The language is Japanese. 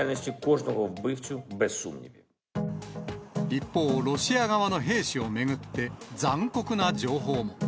一方、ロシア側の兵士を巡って、残酷な情報も。